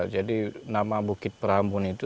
jadi nama bukit peramun itu